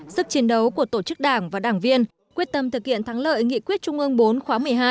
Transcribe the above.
sức chiến đấu của tổ chức đảng và đảng viên quyết tâm thực hiện thắng lợi nghị quyết trung ương bốn khóa một mươi hai